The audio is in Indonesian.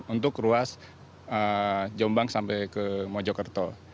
untuk ruas jombang sampai ke mojokerto